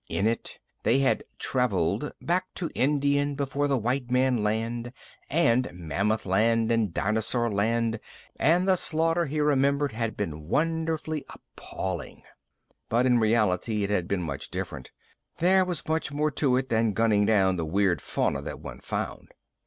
In it, they had "traveled" back to Indian before the white man land and mammoth land and dinosaur land and the slaughter, he remembered, had been wonderfully appalling. But, in reality, it had been much different. There was much more to it than gunning down the weird fauna that one found.